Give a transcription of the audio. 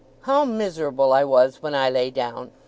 How miserable I was, when I lay down!